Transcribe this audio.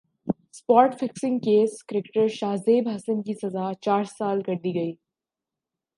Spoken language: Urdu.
spot fixing case cricketer Shahzeb Hasan کی سزا چار سال کر دی گئی